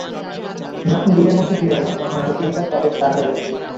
যখন নিজের মধ্যে ফিরে এলাম, তখন আরও তিনটা স্টপেজ পার হয়ে গেছি।